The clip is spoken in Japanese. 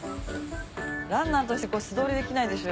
ランナーとして素通りできないでしょ